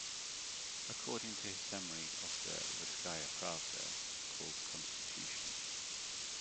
According to his summary of the "Russkaya Pravda" called "Constitution.